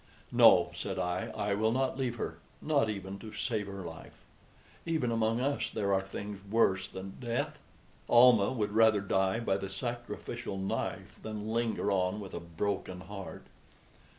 "No," said I, "I will not leave her not even to save her life. Even among us there are things worse than death. Almah would rather die by the sacrificial knife than linger on with a broken heart."